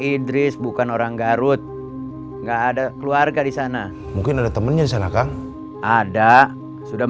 idris bukan orang garut enggak ada keluarga di sana mungkin ada temennya di sana kang ada sudah